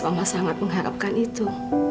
mama sangat mengharapkan itu